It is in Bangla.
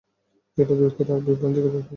যেটা দুঃখের আর বিভ্রান্তিকর ব্যাপার।